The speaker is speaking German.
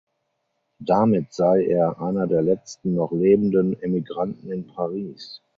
Damit sei er „einer der letzten noch lebenden Emigranten in Paris“.